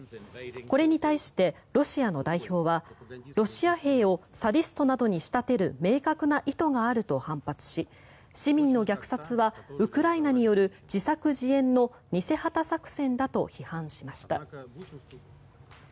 これに対してロシアの代表はロシア兵をサディストなどに仕立てる明確な意図があると反発し市民の虐殺はウクライナによる自作自演の偽旗作戦だと批判しました。